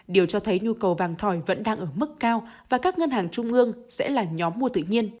điều cho thấy nhu cầu vàng thỏi vẫn đang ở mức cao và các ngân hàng trung ương sẽ là nhóm mua tự nhiên